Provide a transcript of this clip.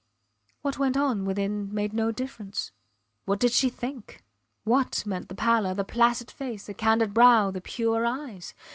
... What went on within made no difference. What did she think? What meant the pallor, the placid face, the candid brow, the pure eyes?